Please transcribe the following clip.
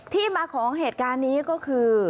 ที่มาของเหตุการณ์นี้ก็คือ